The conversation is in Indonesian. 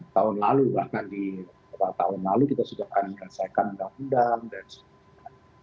tahun lalu bahkan di beberapa tahun lalu kita sudah pernah menyelesaikan undang undang dan sebagainya